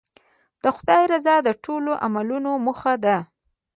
د خدای رضا د ټولو عملونو موخه ده.